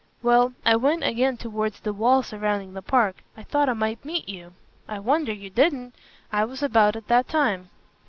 Well, I went again towards the wall surrounding the park. I thought I might meet you." "I wonder you didn't. I was about at that time."